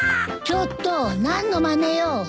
ちょっと何のまねよ？